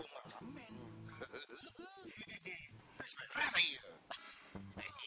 maka aku gak sampein